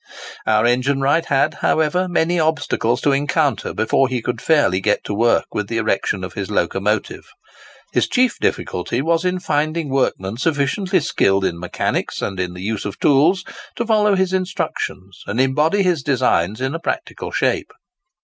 Our engine wright had, however, many obstacles to encounter before he could get fairly to work with the erection of his locomotive. His chief difficulty was in finding workmen sufficiently skilled in mechanics, and in the use of tools, to follow his instructions and embody his designs in a practical shape.